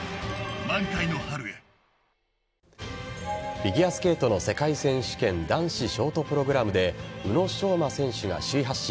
フィギュアスケートの世界選手権男子ショートプログラムで宇野昌磨選手が首位発進。